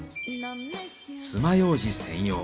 つまようじ専用。